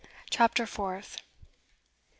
CHAPTER FOURTH.